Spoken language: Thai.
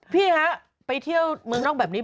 พี่ฮะไปเที่ยวเมืองนอกแบบนี้